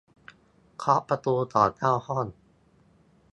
เคาะประตูก่อนเข้าห้อง